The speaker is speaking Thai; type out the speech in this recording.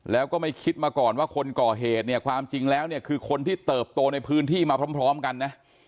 แล้วก็ไม่คิดมาก่อนว่าคนก่อเหตุเนี่ยความจริงแล้วเนี่ยคือคนที่เติบโตในพื้นที่มาพร้อมกันนะ